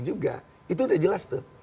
juga itu udah jelas tuh